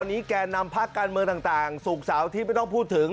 วันนี้แก่นำพักการเมืองต่างศุกร์เสาร์ที่ไม่ต้องพูดถึง